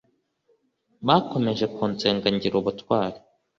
bakomeje kunsenga ngira ubutwari